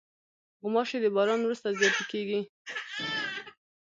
غوماشې د باران وروسته زیاتې کېږي.